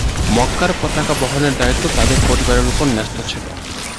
মক্কার পতাকা বহনের দায়িত্ব তাদের পরিবারের উপর ন্যস্ত ছিল।